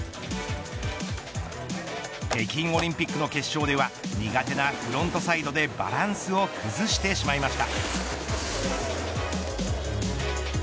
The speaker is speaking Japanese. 北京オリンピックの決勝では苦手なフロントサイドでバランスを崩してしまいました。